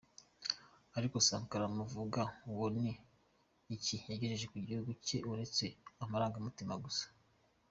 Ariko Sankara muvuga uwo ni iki yagejeje ku gihugu cye uretse amarangamutima gusa?